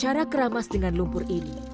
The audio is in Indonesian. cara keramas dengan lumpur ini